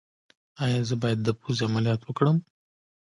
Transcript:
ایا زه باید د پوزې عملیات وکړم؟